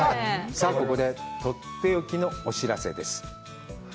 さあ、ここで、とっておきのお知らせです。